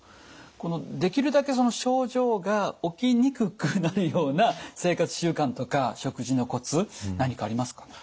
このできるだけ症状が起きにくくなるような生活習慣とか食事のコツ何かありますか？